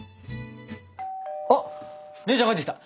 あっ姉ちゃん帰ってきた！